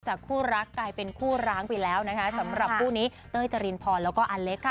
คู่รักกลายเป็นคู่ร้างไปแล้วนะคะสำหรับคู่นี้เต้ยจรินพรแล้วก็อเล็กค่ะ